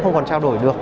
không còn trao đổi được